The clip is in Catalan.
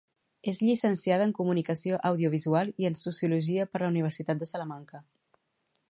És llicenciada en Comunicació Audiovisual, i en Sociologia per la Universitat de Salamanca.